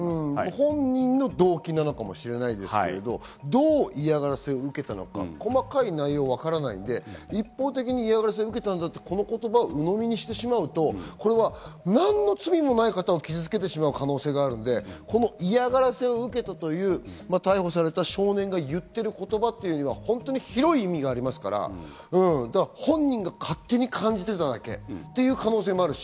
本人の動機なのかもしれないですけど、どう嫌がらせを受けたのか、細かい内容が分からないので一方的に嫌がらせを受けたというこの言葉を鵜呑みにしてしまうと何の罪もない方を傷付けてしまう可能性があるので嫌がらせを受けたという逮捕された少年が言っている言葉というのは本当に広い意味がありますから、本人が勝手に感じていただけという可能性もあるし。